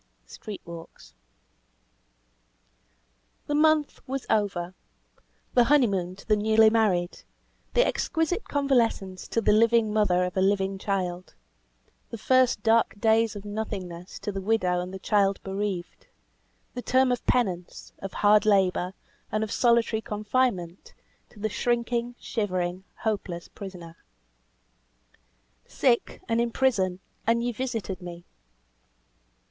"STREET WALKS." The month was over; the honeymoon to the newly married; the exquisite convalescence to the "living mother of a living child;" the "first dark days of nothingness" to the widow and the child bereaved; the term of penance, of hard labour, and solitary confinement, to the shrinking, shivering, hopeless prisoner. "Sick, and in prison, and ye visited me."